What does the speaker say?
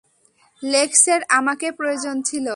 লেক্সের আমাকে প্রয়োজন ছিল।